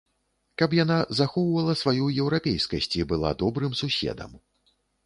Каб яна захоўвала сваю еўрапейскасць і была добрым суседам.